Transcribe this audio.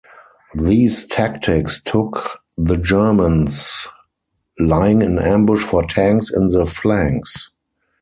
These tactics took the Germans lying in ambush for tanks in the flanks.